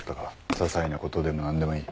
ささいなことでも何でもいい。